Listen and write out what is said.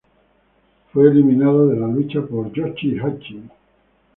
Fue eliminado de la lucha por Yoshi-Hashi.